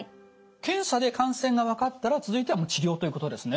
検査で感染が分かったら続いてはもう治療ということですね？